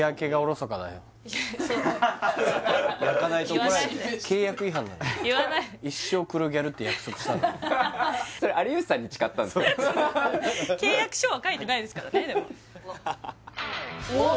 そう契約書は書いてないですからねでもおっ！